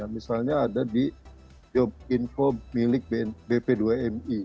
misalnya ada di job info milik bp dua mi